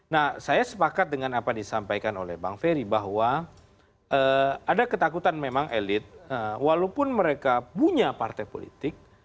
nah saya sepakat dengan apa disampaikan oleh bang ferry bahwa ada ketakutan memang elit walaupun mereka punya partai politik